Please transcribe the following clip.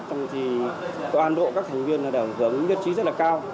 trong khi tổ an độ các thành viên đã hướng nhất trí rất là cao